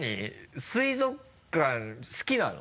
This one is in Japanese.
水族館好きなの？